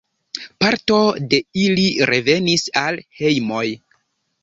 Parto de ili revenis al hejmoj.